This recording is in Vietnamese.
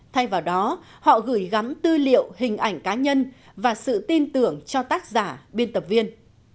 thay vào đó họ gửi gắm tư liệu hình ảnh cá nhân và sự tin tưởng cho tác giả biên tập viên